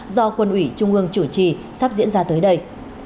do quân ủy trung ương chủ trì sắp diễn ra tới đây